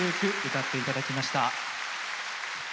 歌っていただきました。